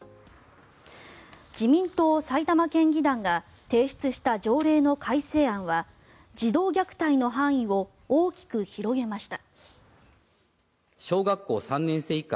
自民党埼玉県議団が提出した条例の改正案は児童虐待の範囲を大きく広げました。